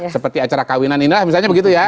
seperti acara kawinan ini lah misalnya begitu ya